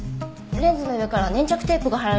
レンズの上から粘着テープが貼られてたんです。